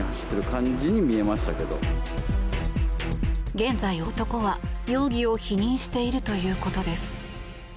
現在、男は容疑を否認しているということです。